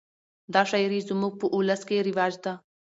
دا شاعري زموږ په اولس کښي رواج ده.